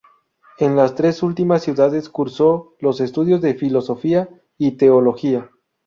En las tres últimas ciudades cursó los estudios de Filosofía y Teología.